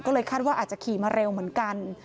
ก็เลยคาดว่าอาจจะขี่มาเร็วเหมือนกัน